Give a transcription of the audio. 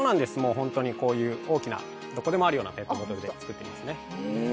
本当に大きなどこでもあるようなペットボトルで作っています。